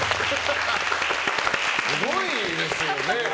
すごいですよね。